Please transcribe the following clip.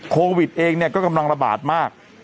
โควิดเองเนี่ยก็กำลังระบาดมาก